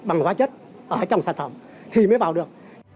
bằng hóa chất ở trong sản phẩm thì mới vào được